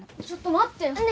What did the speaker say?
ちょっと待ってよ！